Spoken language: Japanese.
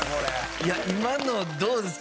いや今のどうですか？